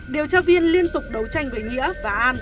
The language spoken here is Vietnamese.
điều tra viên liên tục đấu tranh với nghĩa và an